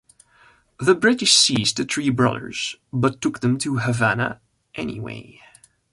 The British seized the three brothers, but took them to Havana anyway.